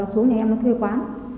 nó xuống nhà em nó thuê quán